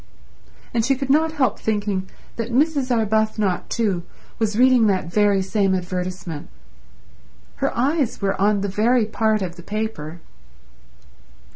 And she could not help thinking that Mrs. Arbuthnot, too, was reading that very same advertisement. Her eyes were on the very part of the paper.